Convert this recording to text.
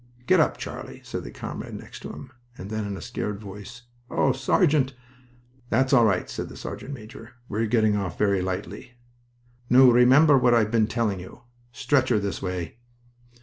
"Get up, Charlie," said the comrade next to him; and then, in a scared voice, "Oh, Sergeant!" "That's all right," said the sergeant major. "We're getting off very lightly. New remember what I've been telling you... Stretcher this way."